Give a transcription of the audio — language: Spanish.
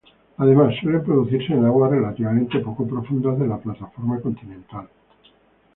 Además, suelen producirse en aguas relativamente poco profundas de la plataforma continental.